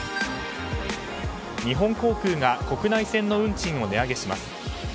日本航空が国内線の運賃を値上げします。